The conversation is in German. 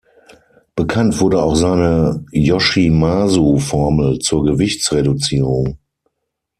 Bekannt wurde auch seine Yoshimasu-Formel zur Gewichtsreduzierung.